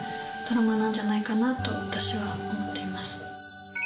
なんじゃないかなと私は思っています。